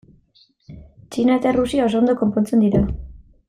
Txina eta Errusia oso ondo konpontzen dira.